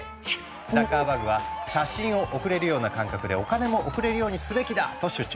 ザッカーバーグは「写真を送れるような感覚でお金も送れるようにすべきだ」と主張。